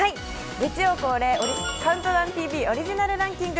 月曜恒例「ＣＤＴＶ」オリジナルランキング